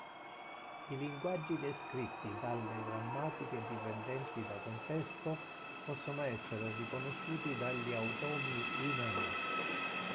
I linguaggi descritti dalle grammatiche dipendenti da contesto possono essere riconosciuti dagli automi lineari.